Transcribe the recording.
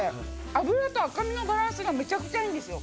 脂と赤身のバランスがめちゃくちゃいいんですよ。